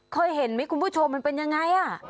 เคยเห็นไหมคุณผู้ชมมันเป็นยังไง